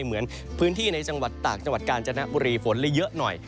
เหมือนพื้นที่ในจังหวัดตากจังหวัดกาญจนบุรีฝนเลยเยอะหน่อย